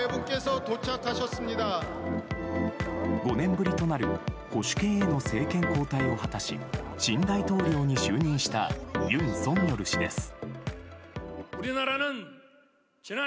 ５年ぶりとなる保守系への政権交代を果たし新大統領に就任した尹錫悦氏です。